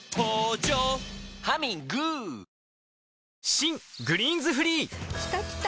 新「グリーンズフリー」きたきた！